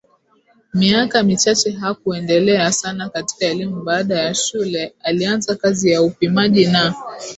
miaka michache hakuendelea sana katika elimu Baada ya shule alianza kazi ya upimaji na